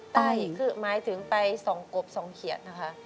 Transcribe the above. ใต้คือหมายถึงไปส่องกบส่องเขียนนะคะ